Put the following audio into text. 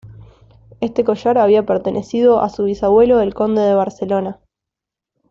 Este collar había pertenecido a su bisabuelo el conde de Barcelona.